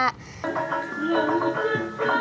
saya juga bisa menari